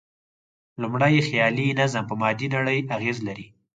لومړی، خیالي نظم په مادي نړۍ اغېز لري.